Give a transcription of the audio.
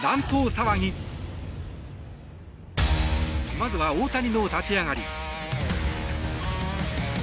まずは大谷の立ち上がり。